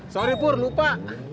sorry pur lupa